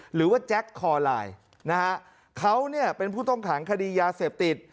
แจ็คคอไลน์นะฮะเขาเนี่ยเป็นผู้ต้องขังคดียาเสพติด